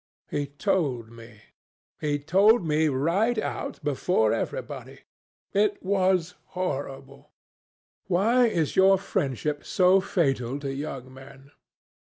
He told me. He told me right out before everybody. It was horrible! Why is your friendship so fatal to young men?